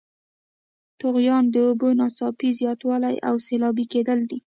طغیان د اوبو ناڅاپي زیاتوالی او سیلابي کیدل دي.